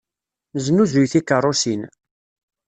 Nesnuzuy tikeṛṛusin.